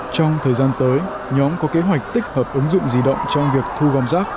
trong thời gian tới nhóm có kế hoạch tích hợp ứng dụng di động trong việc thu gom rác